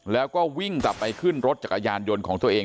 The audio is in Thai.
แล้วก็วิ่งกลับไปขึ้นรถจักรยานยนต์ของตัวเอง